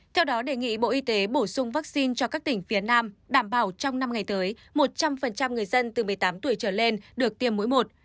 theo đó đề nghị bộ y tế bổ sung vaccine cho các tỉnh phía nam đảm bảo trong năm ngày tới một trăm linh người dân từ một mươi tám tuổi trở lên được tiêm mũi một